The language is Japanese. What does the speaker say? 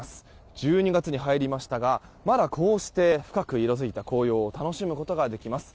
１２月に入りましたがまだこうして深く色づいた紅葉を楽しむことができます。